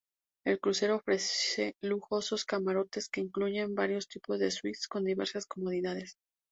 El crucero ofrece lujosos camarotes que incluyen varios tipos de suites con diversas comodidades.